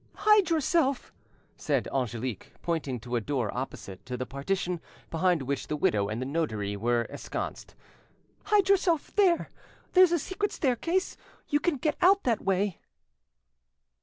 "Hide yourself!" said Angelique, pointing to a door opposite to the partition behind which the widow and the notary were ensconced. "Hide yourself there!—there's a secret staircase—you can get out that way."